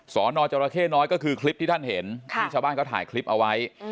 สอนอจรเข้น้อยก็คือคลิปที่ท่านเห็นที่ชาวบ้านเขาถ่ายคลิปเอาไว้